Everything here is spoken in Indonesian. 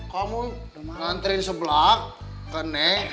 kamu nganterin sebelah ke neng